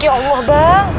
ya allah bang